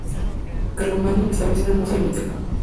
Carlomagno estableció una hermosa biblioteca.